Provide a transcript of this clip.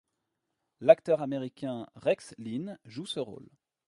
L'acteur américain Rex Linn joue ce rôle.